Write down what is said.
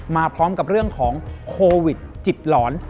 มาพร้อมกับเรื่องของโควิดจิตหลอน